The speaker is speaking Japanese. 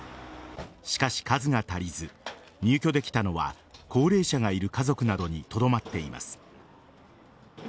しかし、数が足りず入居できたのは高齢者がいる家族などにとどまっています。